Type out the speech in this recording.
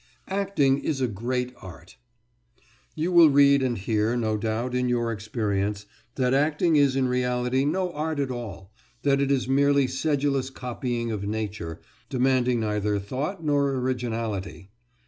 ACTING IS A GREAT ART You will read and hear, no doubt, in your experience, that acting is in reality no art at all, that it is mere sedulous copying of nature, demanding neither thought nor originality.